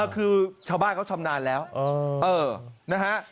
คือชาวบ้านเขาชำนาญแล้วนะฮะ